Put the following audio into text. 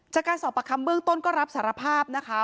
จากการสอบประคำเบื้องต้นก็รับสารภาพนะคะ